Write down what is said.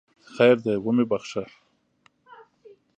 خیر دی ومې بخښه!